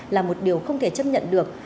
là một điều không thể chấp nhận được